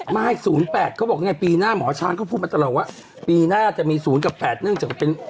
ไม่ศูนย์แปดเขาบอกไงปีหน้าหมอช้านเขาพูดมาตลอดว่าปีหน้าจะมีศูนย์กับแปดนึงจะเป็น